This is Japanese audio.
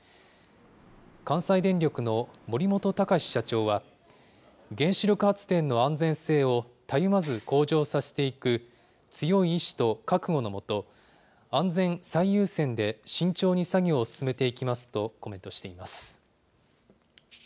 関西電力の森本孝社長は、原子力発電の安全性をたゆまず向上させていく強い意志と覚悟の下、安全最優先で慎重に作業を進めていきますとコメントしています。